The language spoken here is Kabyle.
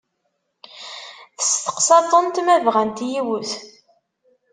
Testeqsaḍ-tent ma bɣant yiwet?